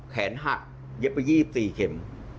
แขนหักเย็บไป๒๔เข็ม